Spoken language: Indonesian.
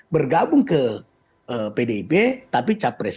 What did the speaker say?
bergabung ke pdip tapi capres